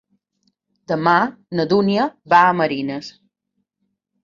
Demà na Dúnia va a Marines.